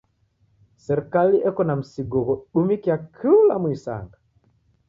Serikali eko na msigo ghodumikia kula muisanga.